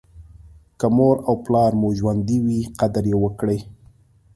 که مور او پلار مو ژوندي وي قدر یې وکړئ.